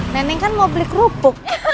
nenek kan mau beli keropok